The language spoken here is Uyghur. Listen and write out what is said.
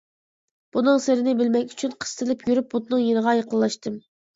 بۇنىڭ سىرىنى بىلمەك ئۈچۈن، قىستىلىپ يۈرۈپ بۇتنىڭ يېنىغا يېقىنلاشتىم.